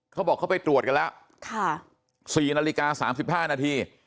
เขาบอกเขาไปตรวจกันแล้ว๔นาฬิกา๓๕นาที